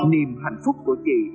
niềm hạnh phúc của chị